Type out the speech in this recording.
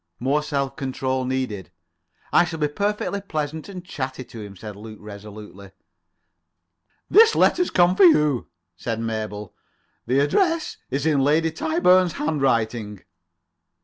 More self control needed. [Pg 25]"I shall be perfectly pleasant and chatty to him," said Luke resolutely. "This letter's just come for you," said Mabel. "The address is in Lady Tyburn's handwriting."